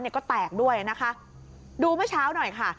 ก็แตกด้วยนะคะดูเมื่อเช้าหน่อยค่ะ